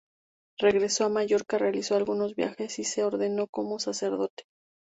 Regresó a Mallorca, realizó algunos viajes y se ordenó como sacerdote.